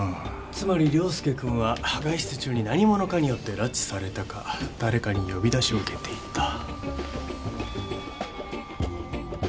つまり椋介君は外出中に何者かによって拉致されたか誰かに呼び出しを受けていた。